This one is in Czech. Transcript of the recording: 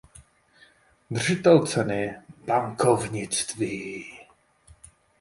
Držitel ceny ""Bankovnictví"".